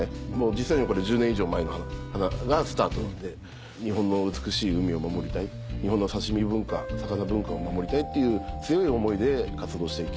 実際には１０年以上前のがスタートなんで日本の美しい海を守りたい日本の刺し身文化魚文化を守りたいっていう強い思いで活動して来